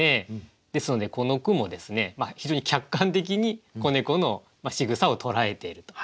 ですのでこの句も非常に客観的に子猫のしぐさを捉えているということですね。